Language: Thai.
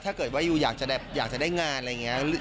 ถ้าเกิดว่ายูอยากจะได้งานอะไรอย่างนี้